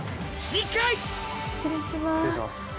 失礼します。